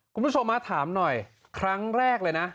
คุณผู้ชมมาถามหน่อยครั้งแรกเลยนะ